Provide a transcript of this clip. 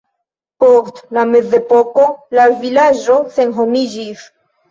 Post la mezepoko la vilaĝo senhomiĝis.